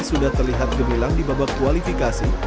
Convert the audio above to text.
sudah terlihat gemilang di babak kualifikasi